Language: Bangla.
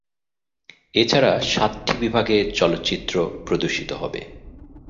এ ছাড়া সাতটি বিভাগে চলচ্চিত্র প্রদর্শিত হবে।